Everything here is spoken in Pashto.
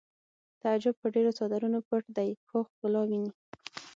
تعجب په ډېرو څادرونو پټ دی خو ښکلا ویني